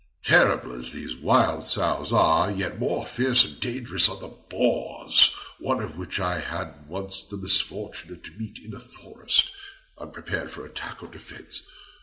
Terrible as these wild sows are, yet more fierce and dangerous are the boars, one of which I had once the misfortune to meet in a forest, unprepared for attack or defence.